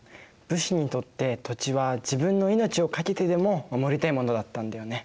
武士にとって土地は自分の命を懸けてでも守りたいものだったんだよね。